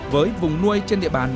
với vùng nuôi trên địa bàn